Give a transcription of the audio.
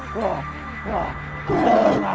wah apaan ini